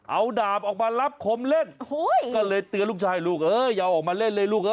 เอาดาบออกมารับคมเล่นก็เลยเตือนลูกชายลูกเอ้ยอย่าออกมาเล่นเลยลูกเอ